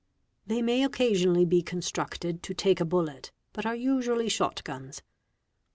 They may occasionally be constructed to take a bullet but are usually shot guns.